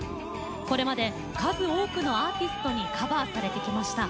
これまで数多くのアーティストにカバーされてきました。